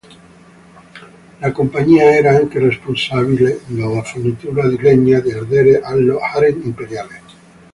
La compagnia era anche responsabile della fornitura di legna da ardere allo Harem Imperiale.